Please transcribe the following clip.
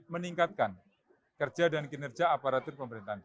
meningkatkan kerja dan kinerja aparatur pemerintahan